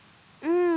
うん。